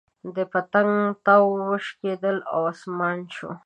د پتنګ تار وشلېد او اسماني شو.